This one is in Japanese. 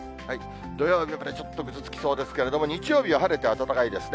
土曜はやっぱりちょっとぐずつきそうですけれども、日曜日は晴れて暖かいですね。